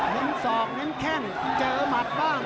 เห็นส่องเห็นแข้งเจอหมัดบ้าง